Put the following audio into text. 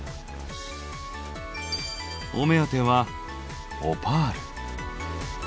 お目当てはオパール。